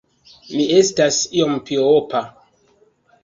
Mi estas iom miopa.